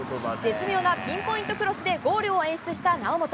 絶妙なピンポイントクロスでゴールを演出した猶本。